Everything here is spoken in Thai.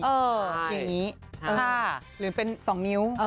เอออย่างนี้ค่ะหรือเป็น๒นิ้ว